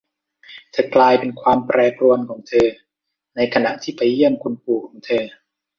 เธอกลายเป็นความแปรปรวนของเธอในขณะที่ไปเยี่ยมคุณปู่ของเธอ